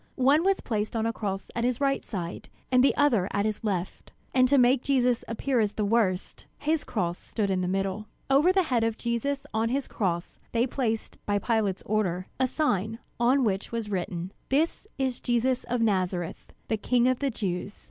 One was placed on a cross at his right side, and the other at his left; and to make Jesus appear as the worst, his cross stood in the middle. Over the head of Jesus on his cross, they placed, by Pilate's order, a sign, on which was written: "This is Jesus of Nazareth, The King of the Jews."